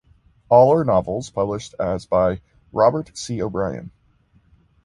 All are novels published as by Robert C. O'Brien.